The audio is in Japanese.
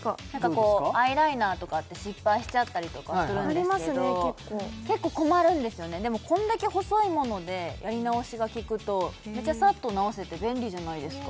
アイライナーとかって失敗しちゃったりとかするんですけど結構困るんですよねでもこんだけ細いものでやり直しがきくとサササッと直せて便利じゃないですか？